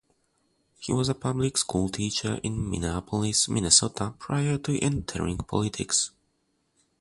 He was a public school teacher in Minneapolis, Minnesota prior to entering politics.